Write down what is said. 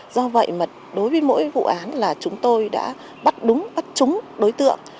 do vậy mà đối với mỗi vụ án là chúng tôi đã bắt đúng bắt chúng đối tượng